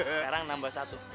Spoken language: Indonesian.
sekarang nambah satu